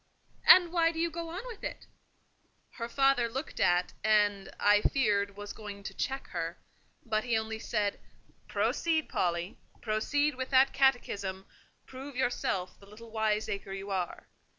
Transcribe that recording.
"And why do you go on with it?" Her father looked at, and, I feared, was going to check her; but he only said, "Proceed, Polly, proceed with that catechism—prove yourself the little wiseacre you are.